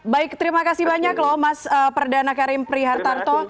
baik terima kasih banyak loh mas perdana karim prihartarto